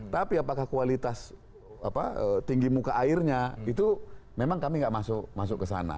tapi apakah kualitas tinggi muka airnya itu memang kami nggak masuk ke sana